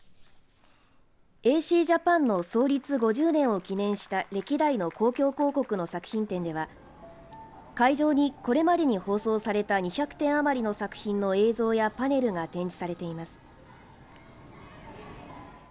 ＡＣジャパンの創立５０年を記念した歴代の公共広告の作品展では会場に、これまでに放送された２００点余りの作品の映像やパネルが展示されています。